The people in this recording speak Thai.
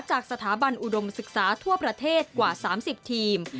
จากสถาบันอุดมศึกษาทั่วประเทศกว่า๓๐ทีม